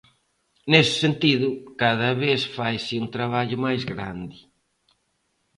Nese sentido, cada vez faise un traballo máis grande.